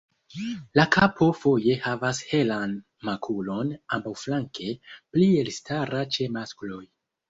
La kapo foje havas helan makulon ambaŭflanke, pli elstara ĉe maskloj.